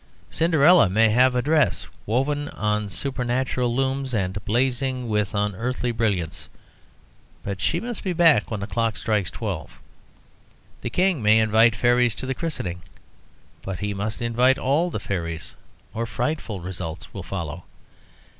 Cinderella may have a dress woven on supernatural looms and blazing with unearthly brilliance; but she must be back when the clock strikes twelve. The king may invite fairies to the christening, but he must invite all the fairies or frightful results will follow.